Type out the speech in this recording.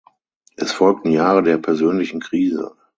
Es folgten Jahre der persönlichen Krise.